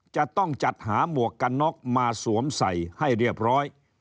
จะต้องจัดหาหมวกกันน็อกมาสวมใส่ให้เรียบร้อย